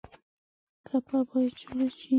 ګپه باید جوړه شي.